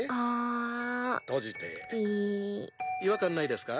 違和感ないですか？